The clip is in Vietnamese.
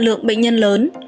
lượng bệnh nhân lớn